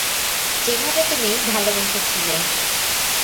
যেভাবে তুমি ভালবেসেছিলে।